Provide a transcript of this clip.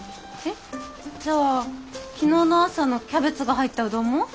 えっ？じゃあ昨日の朝のキャベツが入ったうどんも？